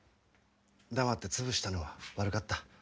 黙って潰したのは悪かった。